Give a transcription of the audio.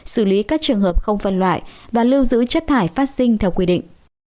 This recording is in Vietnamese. xử lý các trường hợp không phân loại và lưu giữ chất thải phát sinh theo quy định